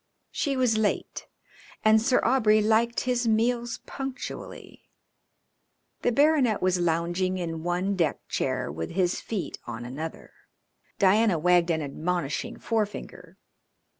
She was late, and Sir Aubrey liked his meals punctually. The baronet was lounging in one deck chair with his feet on another. Diana wagged an admonishing forefinger.